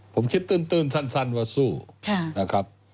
ผมคิดตื้นสั้นว่าสู้นะครับ